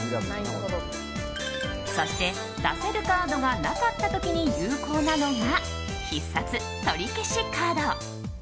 そして、出せるカードがなかった時に有効なのが必殺、とりけしカード。